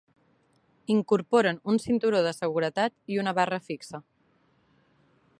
Incorporen un cinturó de seguretat i una barra fixe.